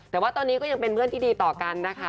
แต่ว่าตอนนี้ก็ยังเป็นเพื่อนที่ดีต่อกันนะคะ